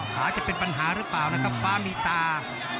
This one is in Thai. ขาจะเป็นปัญหาหรือเปล่านะครับฟ้ามีตา